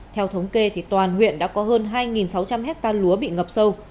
theo thống kê toàn huyện đã có hơn hai sáu trăm linh hectare lúa bị ngập sâu